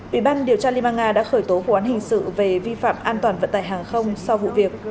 ủy ban điều tra liên bang nga đã khởi tố vụ án hình sự về vi phạm an toàn vận tải hàng không sau vụ việc